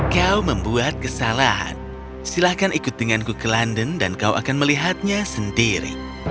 kau membuat kesalahan silahkan ikut denganku ke london dan kau akan melihatnya sendiri